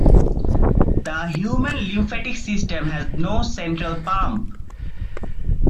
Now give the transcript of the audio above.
The human lymphatic system has no central pump.